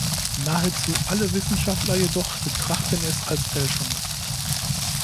Nahezu alle Wissenschaftler jedoch betrachten es als Fälschung.